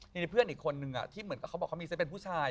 ทีนี้เพื่อนอีกคนนึงที่เหมือนกับเขาบอกเขามีเซตเป็นผู้ชาย